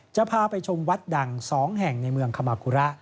จะพาไปชมวัดดัง๒แห่งในเมืองคามากุระ